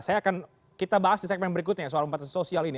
saya akan kita bahas di segmen berikutnya soal pembatasan sosial ini